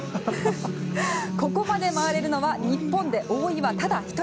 ここまで回れるのは日本で大岩ただ１人。